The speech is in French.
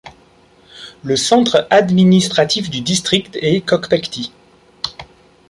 Le centre administratif du district est Kokpekti.